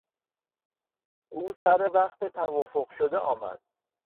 او سروقت توافق شده آمد.